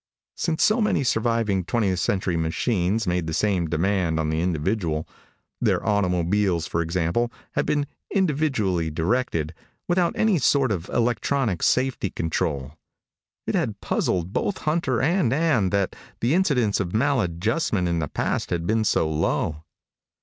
Since so many surviving twentieth century machines made the same demand on the individual their automobiles, for example, had been individually directed, without any sort of electronic safety control it had puzzled both Hunter and Ann that the incidence of maladjustment in the past had been so low.